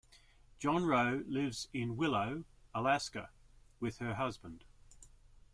Jonrowe lives in Willow, Alaska with her husband.